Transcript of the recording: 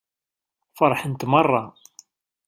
Feṛḥent meṛṛa.